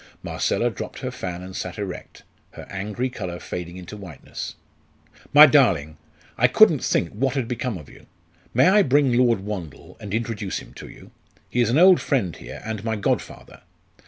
Marcella dropped her fan and sat erect, her angry colour fading into whiteness. "My darling! I couldn't think what had become of you. May I bring Lord Wandle and introduce him to you? He is an old friend here, and my godfather.